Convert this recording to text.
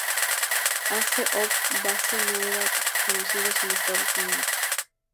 Ace of Base no eran conocidos en Estados Unidos.